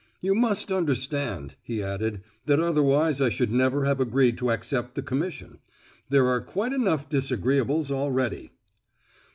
"You must understand," he added, "that otherwise I should never have agreed to accept the commission; there are quite enough disagreeables already."